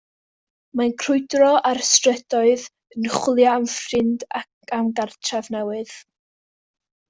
Mae'n crwydro'r strydoedd yn chwilio am ffrind ac am gartref newydd.